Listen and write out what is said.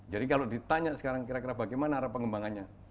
jadi kalau ditanya sekarang kira kira bagaimana arah pengembangannya